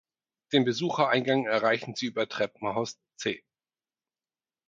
Den Besuchereingang erreichen Sie über Treppenhaus C.